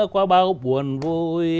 qua bao buồn vui